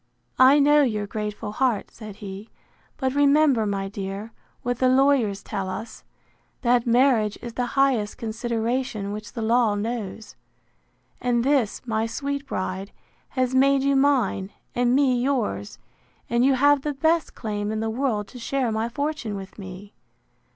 I know your grateful heart, said he; but remember, my dear, what the lawyers tell us, That marriage is the highest consideration which the law knows. And this, my sweet bride, has made you mine, and me yours; and you have the best claim in the world to share my fortune with me.